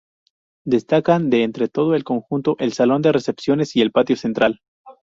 Destacan de entre todo el conjunto el salón de recepciones y el patio central.